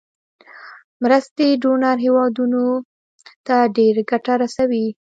مرستې ډونر هیوادونو ته ډیره ګټه رسوي.